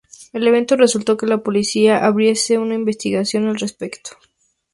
El evento resultó en que la policía abriese una investigación al respecto.